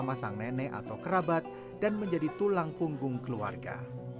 bersama sang nenek atau kerabat dan menjadi tulang punggung keluarga